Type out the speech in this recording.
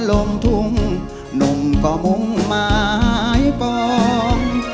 ลงทุ่งหนุ่มก็มุ่งหมายปอง